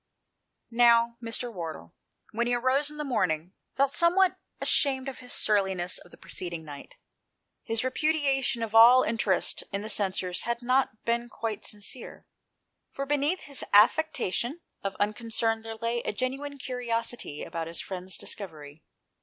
Now, Mr. Wardle, when he arose in the morning, felt somewhat ashamed of his surliness of the preceding night. His repudiation of all interest in the censers had not been quite sincere, for beneath his affectation of unconcern there lay a genuine curiosity about his friend's discovery.